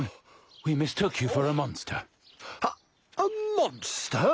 モンスター？